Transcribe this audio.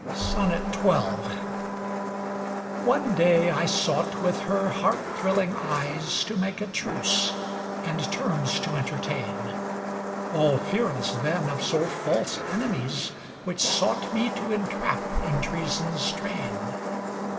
XII One day I sought with her heart thrilling eyes To make a truce, and terms to entertain; All fearless then of so false enemies, Which sought me to entrap in treason's train.